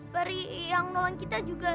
peri yang nolong kita juga